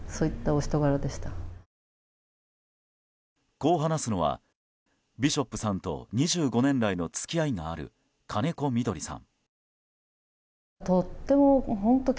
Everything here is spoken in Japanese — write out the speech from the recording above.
こう話すのはビショップさんと２５年来の付き合いがある金子みどりさん。